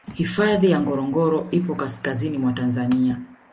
hifadhi ya ngorongoro ipo kaskazini mwa tanzania